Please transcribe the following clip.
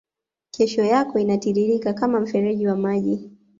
kesho yako inatiririka kama mfereji wa maji